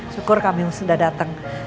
syukur kami sudah dateng